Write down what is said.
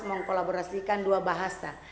harus mengkolaborasikan dua bahasa